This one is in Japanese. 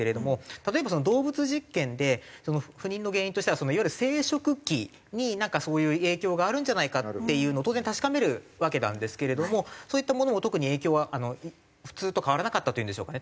例えば動物実験で不妊の原因としてはいわゆる生殖器になんかそういう影響があるんじゃないかっていうのを当然確かめるわけなんですけれどもそういったものも特に影響は普通と変わらなかったっていうんでしょうかね